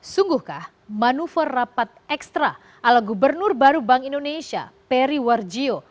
sungguhkah manuver rapat ekstra ala gubernur baru bank indonesia peri warjio